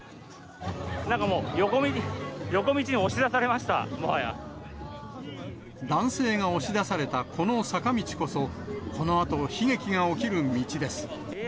なんかもう、横道に押し出さ男性が押し出されたこの坂道こそ、このあと悲劇が起きる道です。